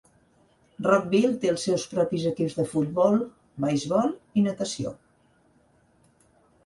Rockville té els seus propis equips de futbol, beisbol i natació.